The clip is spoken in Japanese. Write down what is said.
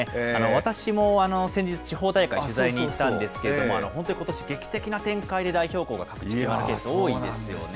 私も先日、地方大会、取材に行ったんですけれども、本当にことし、劇的な展開で代表校が各地、決まっている所が多いんですよね。